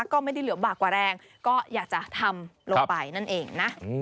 ก็ไม่ได้เหลือบากกว่าแรงก็อยากจะทำลงไปนั่นเองนะ